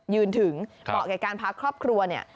ยืนถึงเหมาะกับการพักครอบครัว